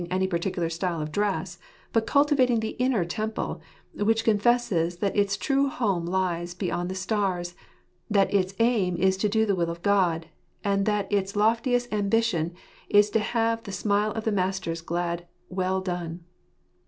any particular style of dress, but cultivating the inner temple, which confesses that its true home lies beyond the stars 3 that its aim is to do the will of God ; and that its loftiest ambition is to have the smile of the Master's glad " Well done